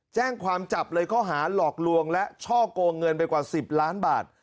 แจ้งความจับเลยข้อหาหลอกลวงและช่อกงเงินไปกว่า๑๐ล้านบาท